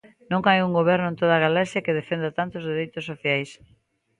Non hai un goberno en toda a galaxia que defenda tanto os dereitos sociais.